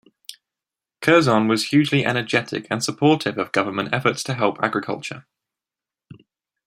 Curzon was hugely energetic and supportive of government efforts to help agriculture.